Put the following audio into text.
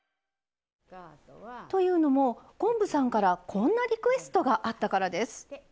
というのも昆布さんからこんなリクエストがあったからです。